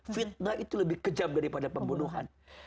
fitnah itu lebih kejam daripada pembunuhan